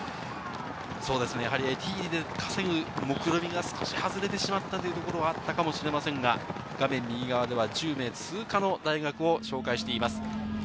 エティーリで稼ぐもくろみが少し外れてしまったということはあるかもしれませんが、画面右側では１０名通過の大学を紹介しています。